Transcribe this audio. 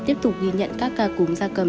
tiếp tục ghi nhận các ca cúm da cầm